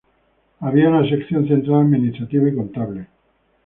Había una sección central administrativa y contable.